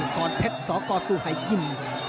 กรเพชรสอกรสุฮัยยิน